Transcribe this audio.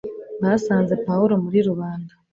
basanze pawulo muri rubanda